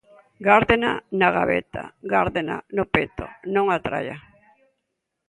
Gárdena na gabeta, gárdena no peto, non a traian.